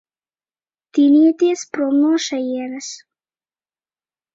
Tinieties prom no šejienes.